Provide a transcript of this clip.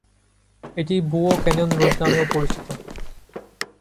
এটি Bayo Canyon Road নামেও পরিচিত।